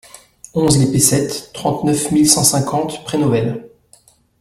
onze les Pessettes, trente-neuf mille cent cinquante Prénovel